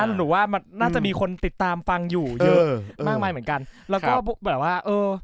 หนูว่าน่าจะมีคนติดตามฟังอยู่เยอะมากมายเหมือนกัน